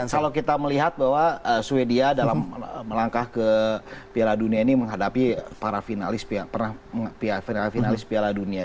kalau kita melihat bahwa swedia dalam melangkah ke piala dunia ini menghadapi para finalis piala dunia